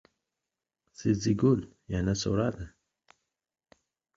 Szigun yana so‘radi: